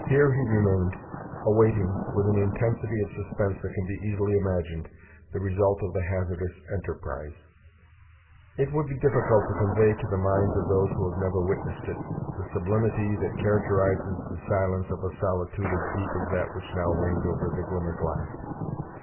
Here he remained, awaiting, with an intensity of suspense that can be easily imagined, the result of the hazardous enterprise. It would be difficult to convey to the minds of those who have never witnessed it, the sublimity that characterizes the silence of a solitude as deep as that which now reigned over the Glimmerglass.